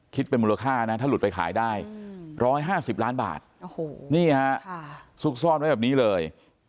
เป็นมูลค่านะถ้าหลุดไปขายได้๑๕๐ล้านบาทนี่ฮะซุกซ่อนไว้แบบนี้เลย